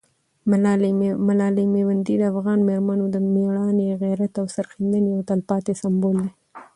ملالۍ میوندۍ د افغان مېرمنو د مېړانې، غیرت او سرښندنې یو تلپاتې سمبول ده.